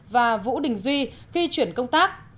và vũ đình duy khi chuyển công tác